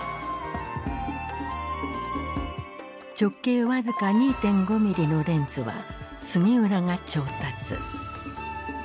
直径僅か２．５ミリのレンズは杉浦が調達。